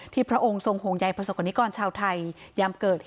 ท่านผู้ชมครับ